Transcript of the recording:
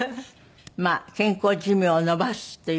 まあ健康寿命を延ばすっていう事を。